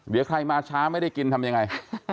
เดี๋ยวใครมาช้าไม่ได้กินทำยังไง